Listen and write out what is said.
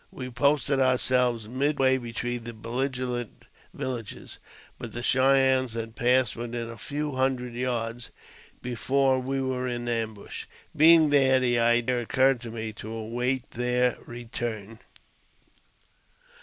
We posted ourselves midway between the belligerent villages, but the Cheyennes had passed within a few hundred yards before we were in ambush. Being there, the idea occurred to me to await their return.